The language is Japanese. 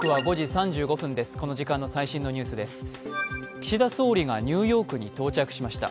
岸田総理がニューヨークに到着しました。